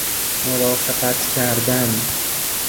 مرافقت کردن